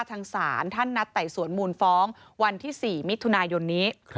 ทางศาลท่านนัดไต่สวนมูลฟ้องวันที่๔มิถุนายนนี้